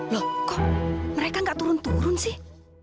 loh kok mereka gak turun turun sih